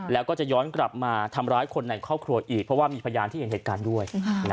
แล้วก็จะย้อนกลับมาทำร้ายคนในครอบครัวอีกเพราะว่ามีพยานที่เห็นเหตุการณ์ด้วย